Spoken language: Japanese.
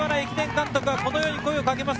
藤原駅伝監督はこのように声をかけます。